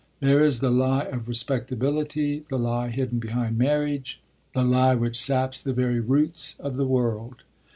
There is the lie of respectability, the lie hidden behind marriage, the lie which saps the very roots of the world.